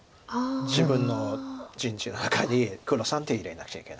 自分の陣地の中に黒３手入れなくちゃいけない。